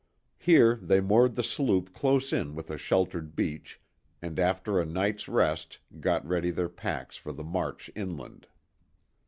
Here they moored the sloop close in with a sheltered beach, and after a night's rest got ready their packs for the march inland.